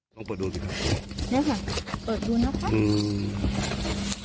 ต้องเปิดดูดีกว่าเนี่ยค่ะเปิดดูนะคะ